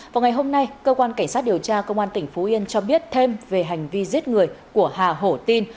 vào ngày hôm nay cơ quan cảnh sát điều tra công an tỉnh phú yên cho biết thêm về hành vi giết người của hà hổ tin